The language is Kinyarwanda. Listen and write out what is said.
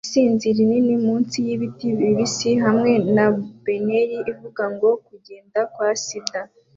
Isinzi rinini munsi yibiti bibisi hamwe na banneri ivuga ngo "Kugenda kwa sida"